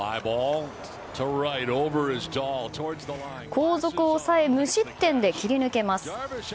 後続を抑え無失点で切り抜けます。